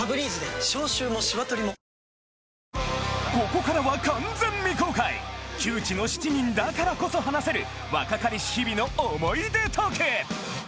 ここからは完全未公開旧知の７人だからこそ話せる若かりし日々の思い出トーク！